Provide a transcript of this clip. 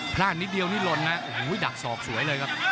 นิดเดียวนี่หล่นนะโอ้โหดักศอกสวยเลยครับ